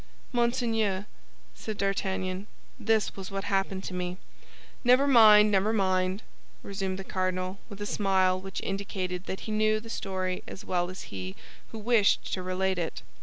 "Monseigneur," said D'Artagnan, "this was what happened to me—" "Never mind, never mind!" resumed the cardinal, with a smile which indicated that he knew the story as well as he who wished to relate it.